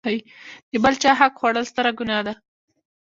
د بل چاحق خوړل ستره ګناه ده.